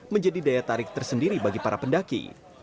menjadi daya tarik tersendiri bagi para pendaki